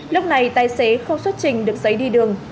lúc này tài xế không xuất trình được giấy đi đường